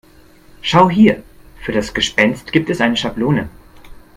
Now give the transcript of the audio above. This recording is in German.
Schau hier, für das Gespenst gibt es eine Schablone.